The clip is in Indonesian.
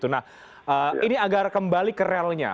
nah ini agar kembali ke relnya